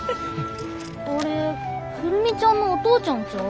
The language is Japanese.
あれ久留美ちゃんのお父ちゃんちゃう？